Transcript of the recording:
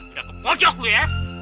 udah kepojok gue ya